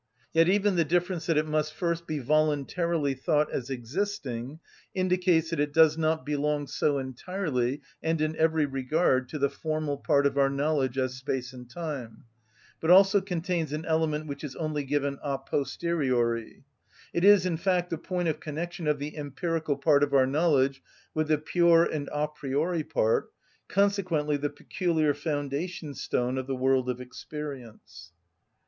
Yet even the difference that it must first be voluntarily thought as existing indicates that it does not belong so entirely and in every regard to the formal part of our knowledge as space and time, but also contains an element which is only given a posteriori. It is, in fact, the point of connection of the empirical part of our knowledge with the pure and a priori part, consequently the peculiar foundation‐stone of the world of experience.